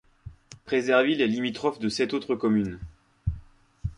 Préserville est limitrophe de sept autres communes.